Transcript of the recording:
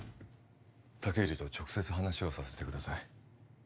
武入と直接話をさせてください